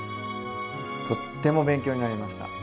とっても勉強になりました。